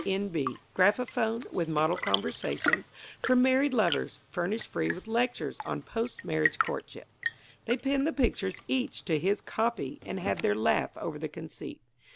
N. B. Graphophone, with Model Conversations for Married Lovers, furnished free with lectures on Post Marriage Courtship. They pinned the pictures each to its "copy" and had their laugh over the conceit.